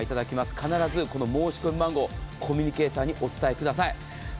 必ず申し込み番号コミュニケーターにお伝えください。